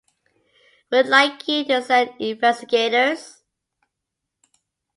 Would like you to send investigators?